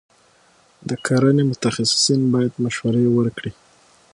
د کرنې متخصصین باید مشورې ورکړي.